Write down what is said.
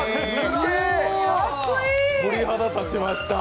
鳥肌たちました。